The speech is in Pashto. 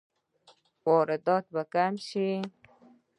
واردات به کم شي؟